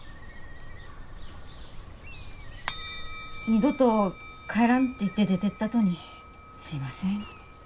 二度と帰らんって言って出てったとにすいません。